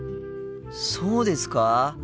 そうですか？